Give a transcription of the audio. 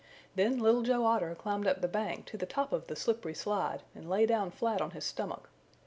Then Little Joe Otter climbed up the bank to the top of the slippery slide and lay down flat on his stomach.